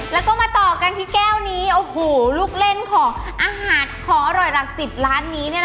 แล้วก็มาต่อกันที่แก้วนี้โอ้โหลูกเล่นของอาหารของอร่อยหลักสิบร้านนี้